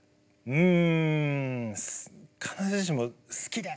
うん。